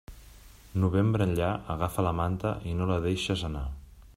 Novembre enllà, agafa la manta i no la deixes anar.